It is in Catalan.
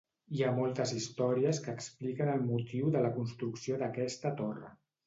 Hi ha moltes històries que expliquen el motiu de la construcció d'aquesta torre.